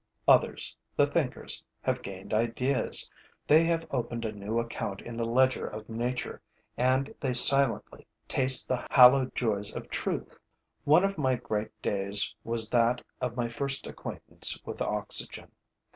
Others, the thinkers, have gained ideas; they have opened a new account in the ledger of nature and they silently taste the hallowed joys of truth. One of my great days was that of my first acquaintance with oxygen.